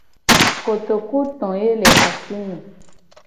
Kotoku to ye le asi nye.